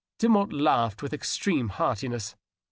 Demotte now laughed with extreme heartiness.